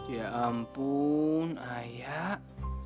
ya ampun ayah